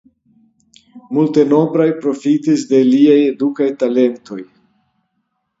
Multenombraj profitis de liaj edukaj talentoj.